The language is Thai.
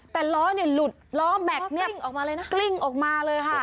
แต่ล้อเนี่ยหลุดล้อแม็กซ์เนี่ยกลิ้งออกมาเลยค่ะ